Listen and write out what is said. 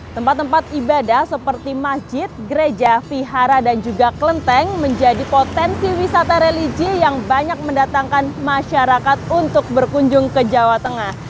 tempat tempat ibadah seperti masjid gereja vihara dan juga kelenteng menjadi potensi wisata religi yang banyak mendatangkan masyarakat untuk berkunjung ke jawa tengah